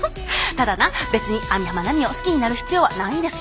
ただな別に網浜奈美を好きになる必要はないんです。